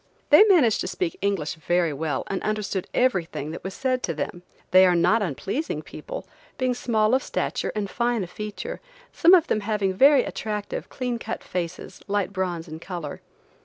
They managed to speak English very well and understood everything that was said to them. They are not unpleasing people, being small of stature and fine of feature, some of them having very attractive, clean cut faces, light bronze in color.